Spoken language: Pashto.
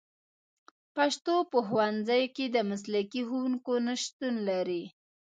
پښتو په ښوونځیو کې د مسلکي ښوونکو نشتون لري